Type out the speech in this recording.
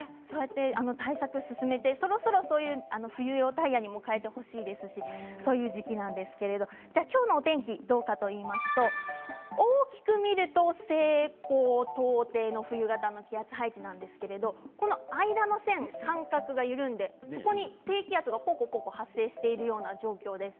そうやって対策を進めてそろそろ冬用タイヤにも変えてほしいですし、そういう時期なんですけれどもでは今日の天気はどうかといいますと大きく見ますと西高東低の冬型の気圧配置なんですけれどこの間の線の間隔が緩んでそこに低気圧がポコポコ発生しているような状況です。